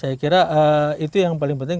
saya kira itu yang paling penting